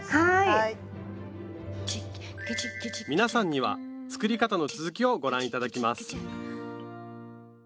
皆さんには作り方の続きをご覧頂きます